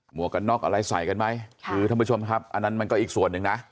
วกกันน็อกอะไรใส่กันไหมคือท่านผู้ชมครับอันนั้นมันก็อีกส่วนหนึ่งนะ